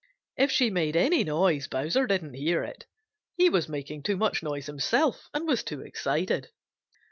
If she made any noise, Bowser didn't hear it. He was making too much noise himself and was too excited.